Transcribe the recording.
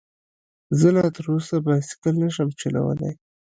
زه لا تر اوسه بايسکل نشم چلولی